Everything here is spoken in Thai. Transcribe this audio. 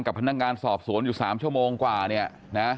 กับพนักงานสอบสวนอยู่๓ชั่วโมงกว่า